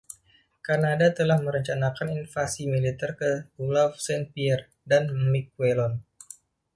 Kanada telah merencanakan invasi militer ke pulau Saint-Pierre dan Miquelon.